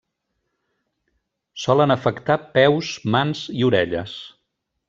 Solen afectar peus, mans, i orelles.